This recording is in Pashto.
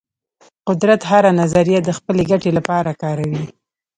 قدرت هره نظریه د خپل ګټې لپاره کاروي.